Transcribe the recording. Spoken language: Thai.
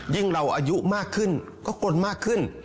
ยิ่งเราอายุมากขึ้นก็กรณ์มากขึ้น